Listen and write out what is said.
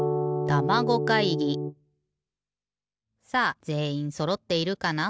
さあぜんいんそろっているかな？